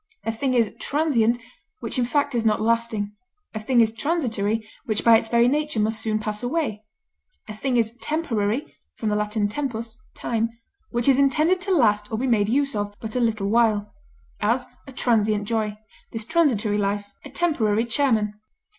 A thing is transient which in fact is not lasting; a thing is transitory which by its very nature must soon pass away; a thing is temporary (L. tempus, time) which is intended to last or be made use of but a little while; as, a transient joy; this transitory life; a temporary chairman.